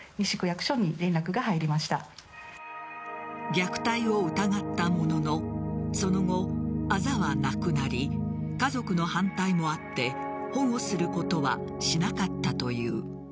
虐待を疑ったもののその後、あざはなくなり家族の反対もあって保護することはしなかったという。